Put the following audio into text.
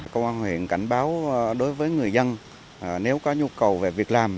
công an huyện cảnh báo đối với người dân nếu có nhu cầu về việc làm